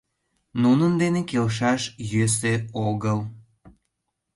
Нунын дене келшаш йӧсӧ огыл.